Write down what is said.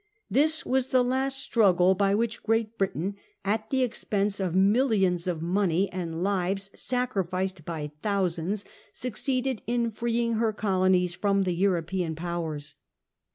This was the last struggle by wliich Great Britain, at the expense of millions of money and lives sacrificed by thousands, succeeded in freeing her colonies from the Kuroi)can Powers.